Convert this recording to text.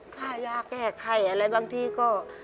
ค่ายาแก้ไข้อะไรบางทีก็